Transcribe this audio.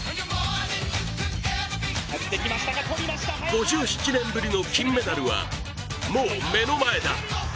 ５７年ぶりの金メダルは、もう目の前だ。